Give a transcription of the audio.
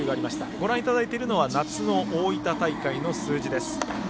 ご覧いただいているのは夏の大分大会の数字です。